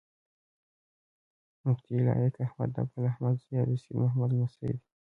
مفتي لائق احمد د ګل احمد زوي او د سيد محمد لمسی دی